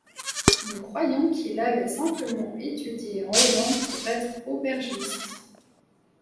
Nous croyons qu’il avait simplement étudié, en Hollande pour être aubergiste.